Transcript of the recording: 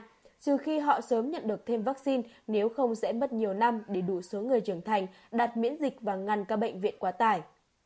trừ khi họ sớm nhận được thêm vaccine nếu không sẽ mất nhiều năm để đủ số người trưởng thành đạt miễn dịch và ngăn các bệnh viện quá tải